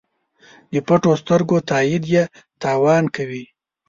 د پټو سترګو تایید یې تاوان کوي.